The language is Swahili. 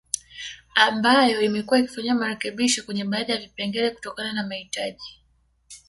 Ambayo imekuwa ikifanyiwa marekebisho kwenye baadhi ya vipengele kutokana na mahitaji